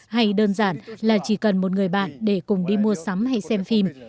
hay đơn giản là chỉ cần một người bạn để cùng đi mua sắm hay xem phim